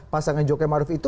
pasangan jokowi maruf itu